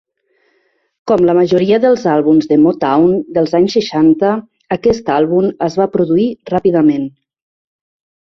Com la majoria dels àlbums de Motown dels anys seixanta, aquest àlbum es va produir ràpidament.